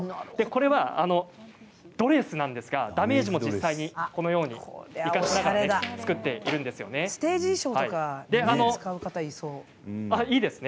隣はドレスなんですがダメージも実際にこのように生かして使っているんですよね。